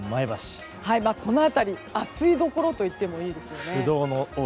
この辺り、暑いどころといってもいいですよね。